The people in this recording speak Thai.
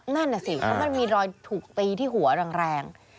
นั่นน่ะสิเพราะมันมีรอยถูกตีที่หัวแรง